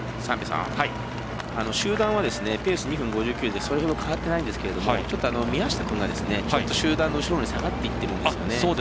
集団は、ペース２分５９でそれほど変わっていないんですが宮下君が集団の後ろに下がっていってるんです。